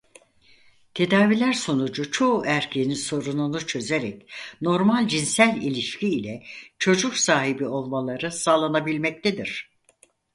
Tedaviler sonucu çoğu erkeğin sorununu çözerek normal cinsel ilişki ile çocuk sahibi olmaları sağlanabilmektedir.